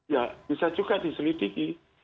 ya bisa juga diselidiki